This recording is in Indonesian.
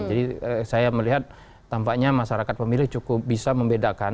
jadi saya melihat tampaknya masyarakat pemilih cukup bisa membebaskan